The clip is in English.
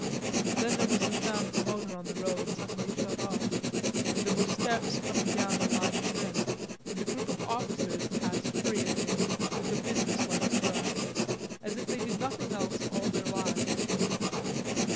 Then there was the sound of a motor on the road suddenly shut off, and there were steps coming down the line of men, and a group of officers passed hurriedly, with a businesslike stride, as if they did nothing else all their lives.